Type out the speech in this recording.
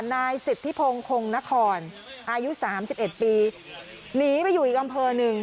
นายสิทธิพงศ์คงนครอายุสามสิบเอ็ดปีหนีไปอยู่อีกอำเภอหนึ่ง